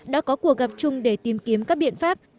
đã có cuộc gặp chung để tìm kiếm các biện pháp